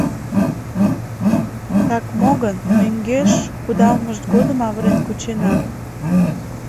Так мо гын, мӧҥгеш кудалмышт годым авырен кучена.